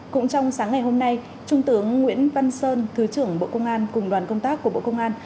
cũng trong sáng ngày hôm nay trung tướng nguyễn văn sơn thứ trưởng bộ công an cùng đoàn công tác của bộ công an